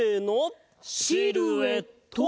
シルエット！